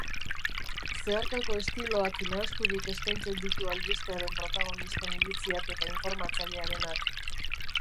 Zeharkako estiloak nahasturik eskaintzen ditu albistearen protagonisten iritziak eta informatzailearenak.